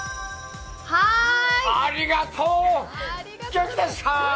ありがとう、元気ですか？